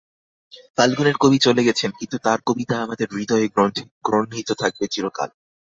ফাল্গুনের কবি চলে গেছেন, কিন্তু তাঁর কবিতা আমাদের হূদয়ে গ্রন্থিত থাকবে চিরকাল।